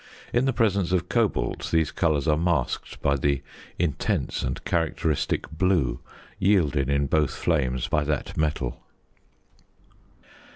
In the presence of cobalt these colours are masked by the intense and characteristic blue yielded in both flames by that metal.